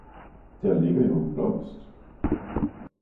Der ligger jo en blomst!